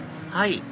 はい